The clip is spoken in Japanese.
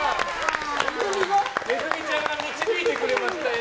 ネズミちゃんが導いてくれましたよ。